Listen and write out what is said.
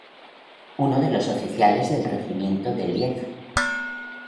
Uno de los oficiales del regimiento de Lieb.